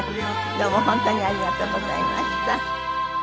どうも本当にありがとうございました。